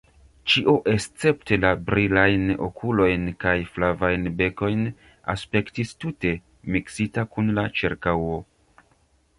Ĉio escepte la brilajn okulojn kaj flavajn bekojn aspektis tute miksita kun la ĉirkaŭo.